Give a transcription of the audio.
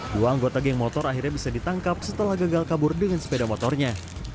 dua anggota geng motor akhirnya bisa ditangkap setelah gagal kabur dengan sepeda motornya